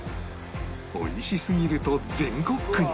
美味しすぎると全国区に